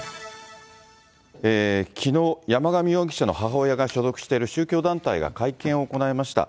きのう、山上容疑者の母親が所属している宗教団体が会見を行いました。